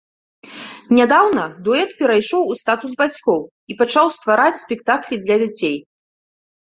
Нядаўна дуэт перайшоў у статус бацькоў і пачаў ствараць спектаклі для дзяцей.